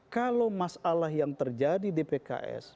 kalau masalah yang terjadi di pks